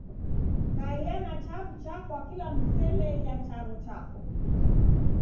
Kaia na chaw'ucha kwa kila misele ya charo chako.